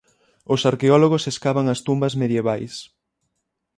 Os arqueólogos escavan as tumbas medievais.